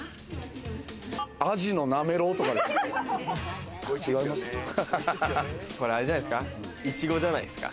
アジのなめろうとかですか？